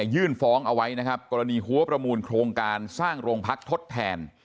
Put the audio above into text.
ยื่นฟ้องเอาไว้นะครับกรณีหัวประมูลโครงการสร้างโรงพักทดแทน